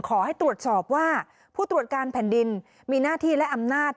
ขอให้ตรวจสอบว่าผู้ตรวจการแผ่นดินมีหน้าที่และอำนาจ